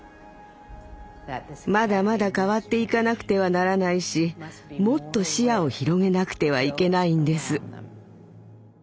まだまだ変わっていかなくてはならないしもっと視野を広げなくてはいけないんです。